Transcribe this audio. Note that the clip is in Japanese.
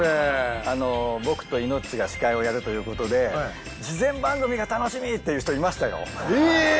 あの僕とイノッチが司会をやるということで事前番組が楽しみ！っていう人いましたよ。